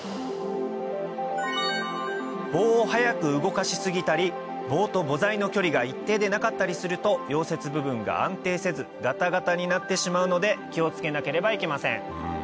棒を速く動かし過ぎたり棒と母材の距離が一定でなかったりすると溶接部分が安定せずガタガタになってしまうので気を付けなければいけません